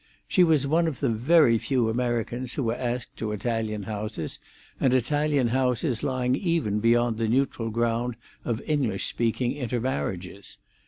She was one of the very few Americans who were asked to Italian houses, and Italian houses lying even beyond the neutral ground of English speaking intermarriages.